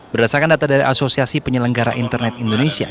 berdasarkan data dari asosiasi penyelenggara internet indonesia